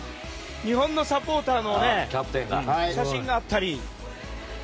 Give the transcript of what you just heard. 日本のサポーターの写真があったり。